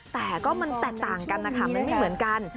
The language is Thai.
แต่ก็มันแตกต่างกันนะคะมันไม่เหมือนกัน